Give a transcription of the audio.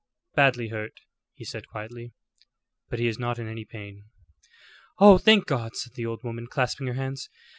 "Badly hurt," he said, quietly, "but he is not in any pain." "Oh, thank God!" said the old woman, clasping her hands.